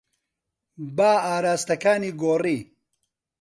با ئاراستەکانی گۆڕی.